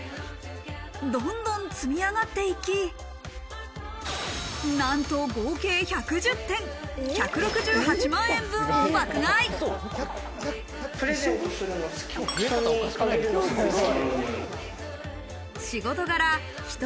どんどん積み上がっていき、なんと合計１１０点、１６８万円プレゼント、すごっ！